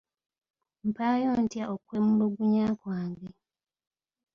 Mpaayo ntya okwemulugunya kwange?